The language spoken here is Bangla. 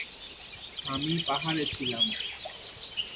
আমি পাহাড়ে ছিলাম।